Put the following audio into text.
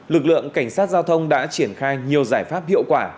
lực lượng cảnh sát giao thông đã triển khai nhiều giải pháp hiệu quả